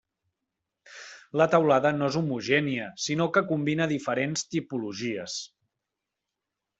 La teulada no és homogènia sinó que combina diferents tipologies.